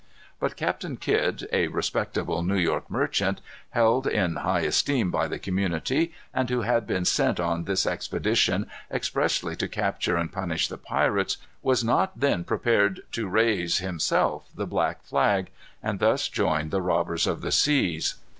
But Captain Kidd, a respectable New York merchant, held in high esteem by the community, and who had been sent on this expedition expressly to capture and punish the pirates, was not then prepared to raise himself the black flag, and thus join the robbers of the seas.